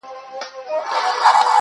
• د ناروا زوی نه یم_